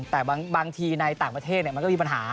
แต่บางทีในต่างประเทศมันก็มีปัญหา